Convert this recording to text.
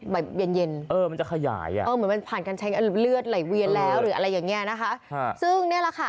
แบบเย็นเหมือนมันผ่านกันใช้เลือดไหลเวียนแล้วหรืออะไรอย่างนี้นะคะซึ่งนี่แหละค่ะ